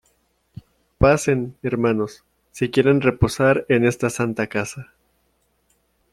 pasen , hermanos , si quieren reposar en esta santa casa .